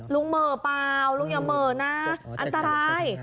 ลุงเมอะเปล่าลุงอย่าเมอะนะอันตราย